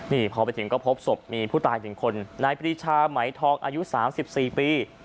นี่พอไปถึงก็พบศพมีผู้ตาย๑คนนายปรีชาไหมทองอายุ๓๔ปี